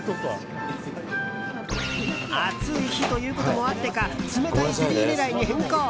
暑い日ということもあってか冷たいゼリー狙いに変更。